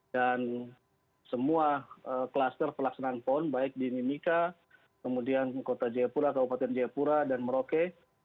dan semua kluster pelaksanaan pon baik di nimika kemudian kota jayapura kabupaten jayapura dan merauke